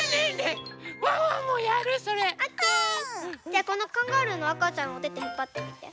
じゃあこのカンガルーのあかちゃんをおててひっぱってみて。